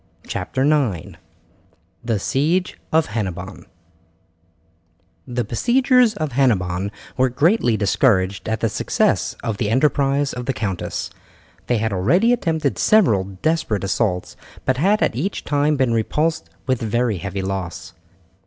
CHAPTER IX: THE SIEGE OF HENNEBON The besiegers of Hennebon were greatly discouraged at the success of the enterprise of the countess. They had already attempted several desperate assaults, but had each time been repulsed with very heavy loss.